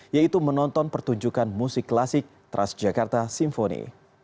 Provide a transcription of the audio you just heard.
yaitu menonton pertunjukan musik klasik tras jakarta sinfoni